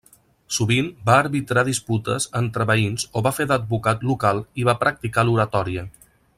Sovint va arbitrar disputes entre veïns o va fer d'advocat local i va practicar l'oratòria.